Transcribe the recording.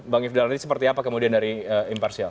bang yudhal nanti seperti apa kemudian dari imparsial